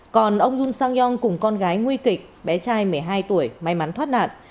còn ông wem sang yong cùng con gái nguy kịch bé trai một mươi hai tuổi may mắn thoát nạn